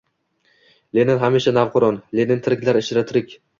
— Lenin hamisha navqiron! Lenin tiriklar ichra: tirik!